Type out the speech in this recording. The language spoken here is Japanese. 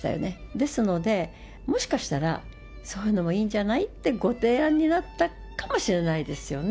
ですので、もしかしたら、そういうのもいいんじゃないってご提案になったかもしれないですよね。